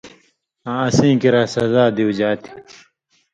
آں اسیں کِریا سزا دیُوژا تھی،